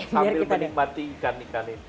sambil menikmati ikan ikan ini